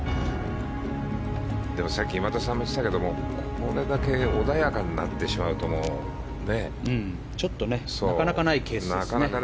さっき今田さんも言ってたけどもこれだけ穏やかになってしまうのはなかなかないね。